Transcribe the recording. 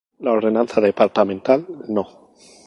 La Ordenanza Departamental No.